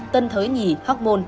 tân thới nhì hóc môn